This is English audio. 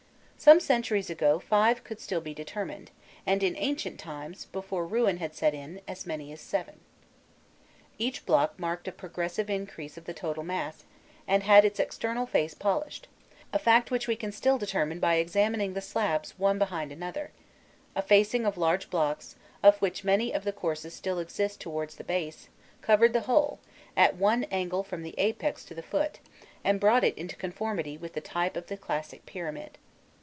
Some centuries ago five could be still determined, and in ancient times, before ruin had set in, as many as seven. Each block marked a progressive increase of the total mass, and bad its external face polished a fact which we can still determine by examining the slabs one behind another; a facing of large blocks, of which many of the courses still exist towards the base, covered the whole, at one angle from the apex to the foot, and brought it into conformity with the type of the classic pyramid.